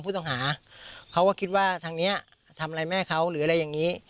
ผู้ต้องหาเขาก็คิดว่าทางนี้ทำอะไรแม่เขาหรืออะไรอย่างนี้